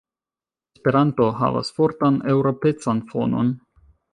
Esperanto havas fortan eŭropecan fonon.